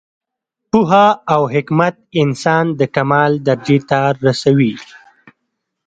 پوهه او حکمت انسان د کمال درجې ته رسوي.